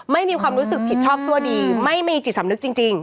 ไม่มีความรู้สึกผิดชอบชั่วดีไม่มีจิตสำนึกจริง